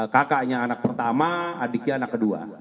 kakaknya anak pertama adiknya anak kedua